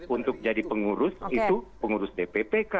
untuk jadi pengurus itu pengurus dppk